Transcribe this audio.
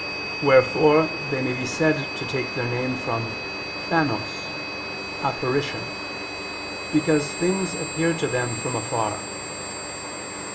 Wherefore they may be said to take their name from phanos, "apparition," because things appear to them from afar.